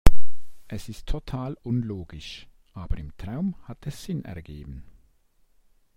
Es ist total unlogisch, aber im Traum hat es Sinn ergeben.